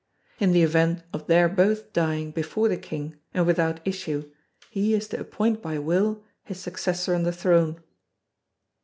In the event of their both dying before the King and without issue he is to appoint by will his successor on the throne.